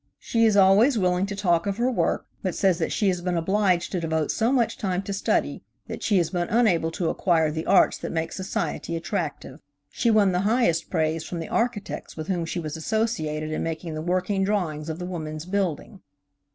She is always willing to talk of her work, but says that she has been obliged to devote so much time to study that she has been unable to acquire the arts that make society attractive. She won the highest praise from the architects with whom she was associated in making the working drawings of the Woman's Building.